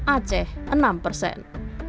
aceh enam persen